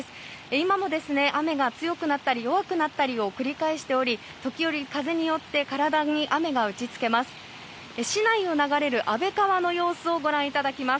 今も雨が強くなったり弱くなったりを繰り返しており時折、風によって体に雨が打ち付けます。